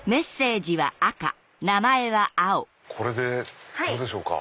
これでどうでしょうか？